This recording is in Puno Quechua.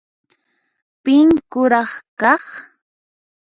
Pin kuraq kaq?